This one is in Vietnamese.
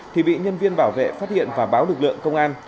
thì bị nhân viên bảo vệ phát hiện và báo lực lượng công an